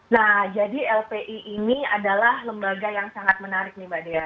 nah jadi lpi ini adalah lembaga yang sangat menarik nih mbak dea